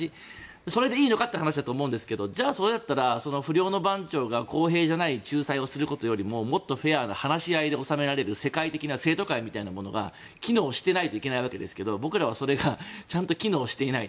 それでいいのかという話だと思うんですがじゃあそれだったら不良の番長が公平じゃない仲裁をすることよりももっとフェアな話し合いで収められる世界的な生徒会みたいなものが機能していないといけないわけですが僕らはそれがちゃんと機能していない。